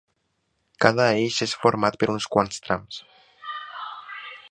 Cada eix és format per uns quants trams.